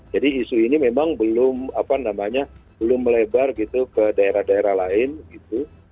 jadi isu ini memang belum apa namanya belum melebar gitu ke daerah daerah lain gitu